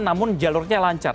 namun jalurnya lancar